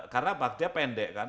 karena dia pendek kan